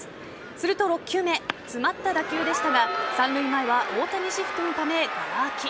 すると６球目詰まった打球でしたが三塁前は大谷シフトのためがら空き。